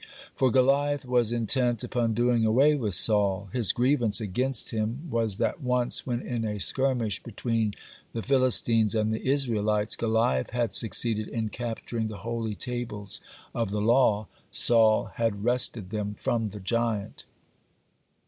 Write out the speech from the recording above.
(33) For Goliath was intent upon doing away with Saul. His grievance against him was that once, when, in a skirmish between the Philistines and the Israelites, Goliath had succeeded in capturing the holy tables of the law, Saul had wrested them from the giant.